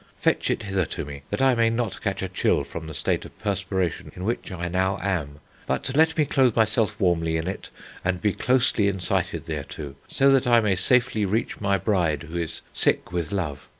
Fetch it hither to me, that I may not catch a chill from the state of perspiration in which I now am; but let me clothe myself warmly in it, and be closely incited thereto, so that I may safely reach my bride, who is sick with love.